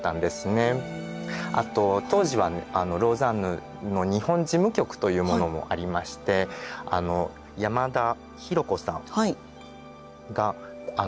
あと当時はローザンヌの日本事務局というものもありまして山田博子さんがとても尽力されました。